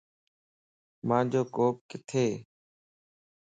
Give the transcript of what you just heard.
مانجو ڪوپ ڪٿيَ